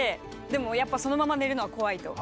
でもやっぱそのまま寝るのは怖いと。